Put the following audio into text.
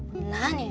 何？